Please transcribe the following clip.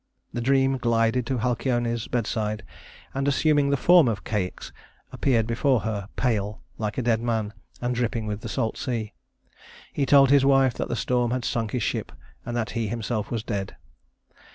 The Dream glided to Halcyone's bedside, and, assuming the form of Ceÿx, appeared before her pale, like a dead man, and dripping with the salt sea. He told his wife that the storm had sunk his ship, and that he himself was dead.